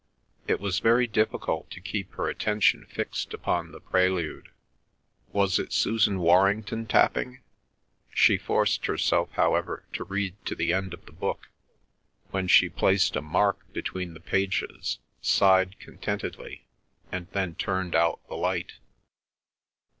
It was very difficult to keep her attention fixed upon the "Prelude." Was it Susan Warrington tapping? She forced herself, however, to read to the end of the book, when she placed a mark between the pages, sighed contentedly, and then turned out the light.